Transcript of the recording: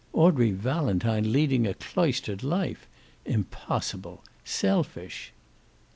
Audrey Valentine leading a cloistered life! Impossible! Selfish!